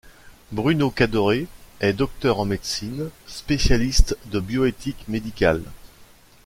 Bruno Cadoré est docteur en médecine, spécialiste de bioéthique médicale.